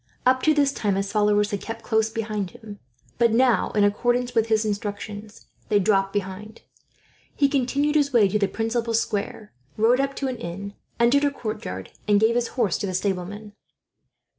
Up to this time, his followers had kept close behind him; but now, in accordance with his instructions, they dropped behind. He continued his way to the principal square, rode up to an inn, entered the courtyard, and gave his horse to the stableman.